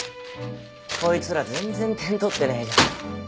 こいつら全然点取ってねえじゃん